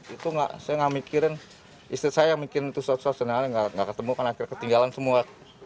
itu saya gak mikirin istri saya yang mikirin itu suatu suatu senangnya gak ketemu karena akhirnya ketinggalan semua